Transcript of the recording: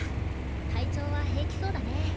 体調は平気そうだね。